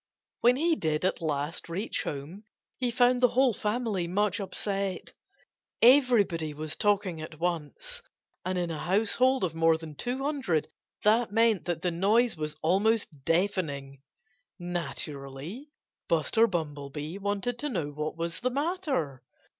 When he did at last reach home he found the whole family much upset. Everybody was talking at once. And in a household of more than two hundred that meant that the noise was almost deafening. Naturally, Buster Bumblebee wanted to know what was the matter.